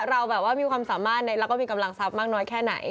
เราแบบว่ามีความสามารถแล้วก็มีกำลังทรัพย์มากน้อยแค่ไหน